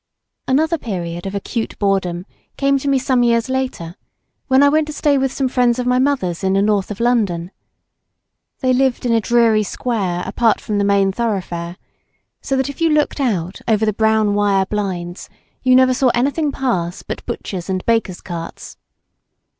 Another period of acute boredom came to me some years later when I went to stay with some friends of my mother's in the north of London. They lived in a dreary square apart from the main thoroughfare, so that if you looked out over the brown wire blinds you never saw anything pass but butchers' and bakers' carts.